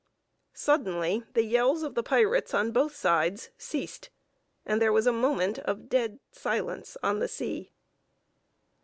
Suddenly the yells of the pirates on both sides ceased, and there was a moment of dead silence on the sea.